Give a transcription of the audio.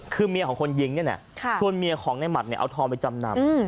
คือเมียของคนยิงนี่แหละชวนเมียของในหมัดเนี่ยเอาทองไปจำนำ